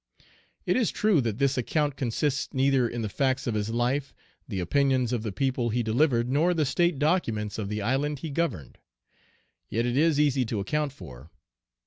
It is true that this account consists neither in the facts of his life, the opinions of the people he delivered, nor the State documents of the island he governed. Yet it is easy to account for.